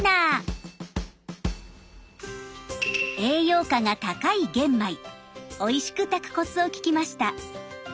栄養価が高い玄米おいしく炊くコツを聞きました。